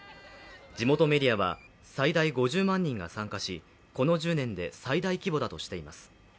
地元メディアは最大５０万人が参加し、この１０年で最大規模だとしています。